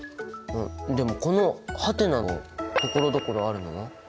でもこの「？」がところどころあるのは？